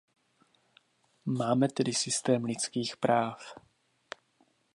Máme tedy systém lidských práv.